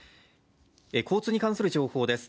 交通に関する情報です。